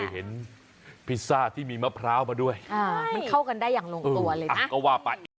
เห็นพิซซ่าที่มีมะพร้าวมาด้วยมันเข้ากันได้อย่างลงตัวเลยก็ว่าไป